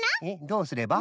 どうすれば？